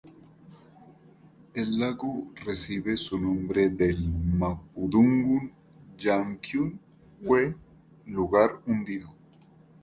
El lago recibe su nombre del mapudungun "llanquyn"-"we", "lugar hundido".